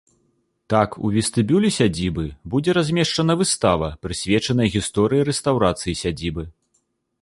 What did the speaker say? Так, у вестыбюлі сядзібы будзе размешчана выстава, прысвечаная гісторыі рэстаўрацыі сядзібы.